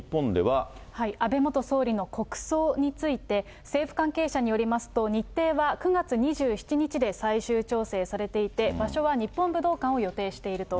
安倍元総理の国葬について、政府関係者によりますと、日程は９月２７日で最終調整されていて、場所は日本武道館を予定していると。